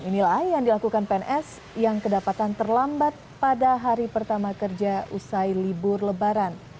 inilah yang dilakukan pns yang kedapatan terlambat pada hari pertama kerja usai libur lebaran